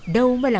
đâu mới là